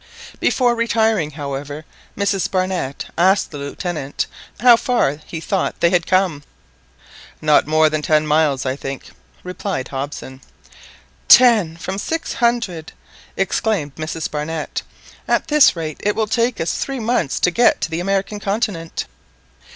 Before retiring, however, Mrs. Barnett asked the Lieutenant how far he thought they had come. "Not more than ten miles, I think," replied Hobson. "Ten from six hundred!" exclaimed Mrs Barnett. "At this rate, it will take us three months to get to the American continent!"